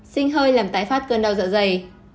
xin hơi làm tái phát cơn đau dạ dày